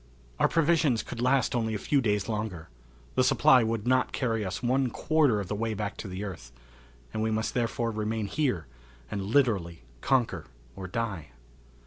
Our provisions could last only a few days longer. The supply would not carry us one quarter of the way back to the earth, and we must therefore remain here and literally conquer or die.